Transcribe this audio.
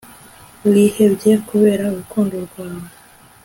wihebye kubera urukundo rwawe